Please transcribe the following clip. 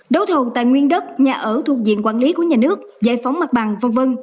đấu thầu tài nguyên đất nhà ở thuộc diện quản lý của nhà nước giải phóng mặt bằng v v